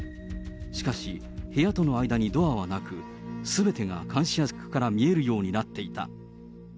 しかし、部屋との間にドアはなく、すべてが監視役から見えるようになっていた。